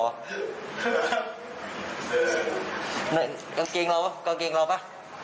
กางเกงเราป่ะ